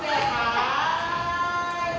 はい。